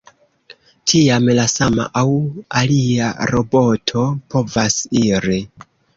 Tiam la sama aŭ alia roboto povas iri.